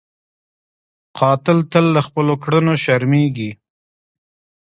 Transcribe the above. قاتل تل له خپلو کړنو شرمېږي